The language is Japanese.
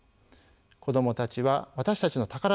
子どもたちは私たちの宝です。